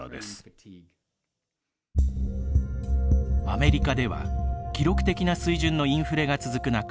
アメリカでは記録的な水準のインフレが続く中